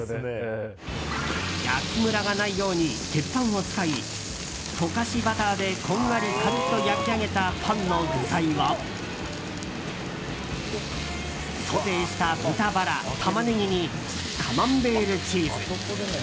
焼きムラがないように鉄板を使い溶かしバターでこんがりカリッと焼き上げたパンの具材はソテーした豚バラタマネギに、カマンベールチーズ。